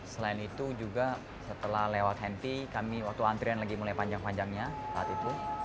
selain itu juga setelah lewat henvy kami waktu antrian lagi mulai panjang panjangnya saat itu